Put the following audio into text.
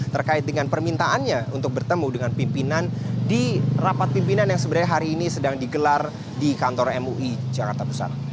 terkait dengan permintaannya untuk bertemu dengan pimpinan di rapat pimpinan yang sebenarnya hari ini sedang digelar di kantor mui jakarta pusat